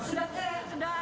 sudah tidak berdaya